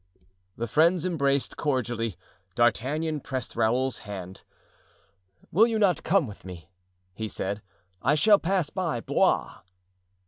The friends embraced cordially; D'Artagnan pressed Raoul's hand. "Will you not come with me?" he said; "I shall pass by Blois."